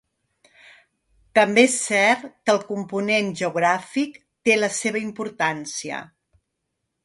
També és cert que el component geogràfic té la seva importància.